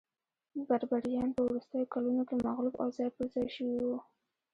بربریان په وروستیو کلونو کې مغلوب او ځای پرځای شوي وو